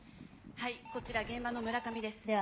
はいこちら現場の村上です。